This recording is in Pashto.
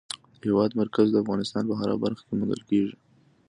د هېواد مرکز د افغانستان په هره برخه کې موندل کېږي.